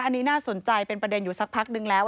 อันนี้น่าสนใจเป็นประเด็นอยู่สักพักนึงแล้ว